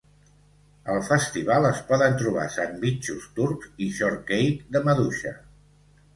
Al festival es poden trobar sandvitxos turcs i shortcake de maduixa.